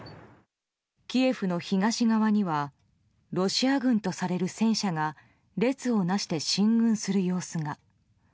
キエフの東側にはロシア軍とされる戦車が列を成して進軍する様子が。